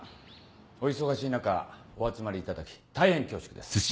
お忙しい中お集まりいただき大変恐縮です。